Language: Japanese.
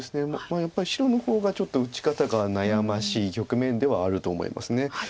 やっぱり白の方がちょっと打ち方が悩ましい局面ではあると思います。